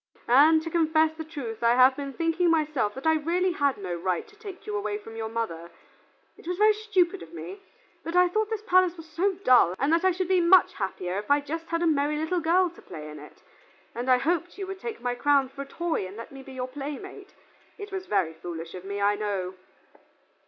And to confess the truth I have been thinking myself that I really had no right to take you away from your mother. It was very stupid of me, but I thought this palace was so dull, and that I should be much happier if I just had a merry little girl to play in it, and I hoped you would take my crown for a toy and let me be your playmate. It was very foolish of me, I know."